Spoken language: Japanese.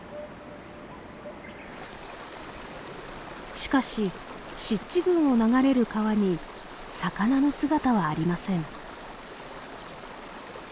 しかし湿地群を流れる川に魚の姿はありません。